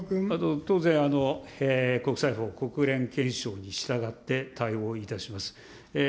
当然、国際法、国連憲章に従って対応いたします。